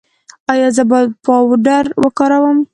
ایا زه باید پاوډر وکاروم؟